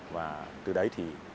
và từ đấy thì